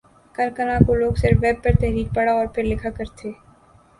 کل کلاں کو لوگ صرف ویب پر تحریر پڑھا اور پھر لکھا کر تھے